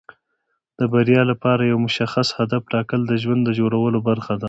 د بریا لپاره یو مشخص هدف ټاکل د ژوند د جوړولو برخه ده.